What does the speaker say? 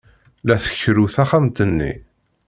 La tkerru taxxamt-nni.